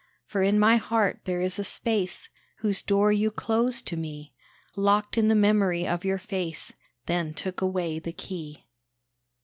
For in my heart there is a space Whose door you closed to me, Locked in the memory of your face; Then took away the key.